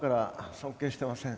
尊敬してません！？